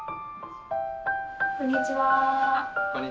こんにちは。